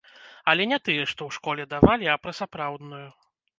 Але не тыя, што ў школе давалі, а пра сапраўдную.